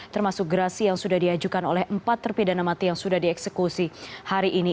termasuk gerasi yang sudah diajukan oleh empat terpidana mati yang sudah dieksekusi hari ini